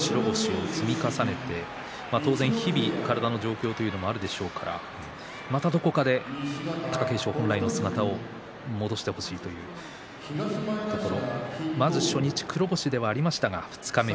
いい稽古をして白星を積み重ねて日々体の状況もあるでしょうからまたどこかで、貴景勝本来の姿を戻してほしいというところ。